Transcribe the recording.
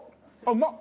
うまっ！